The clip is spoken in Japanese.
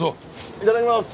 いただきます！